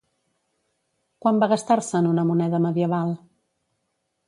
Quant va gastar-se en una moneda medieval?